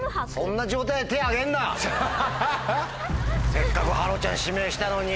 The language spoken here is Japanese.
せっかく芭路ちゃん指名したのに。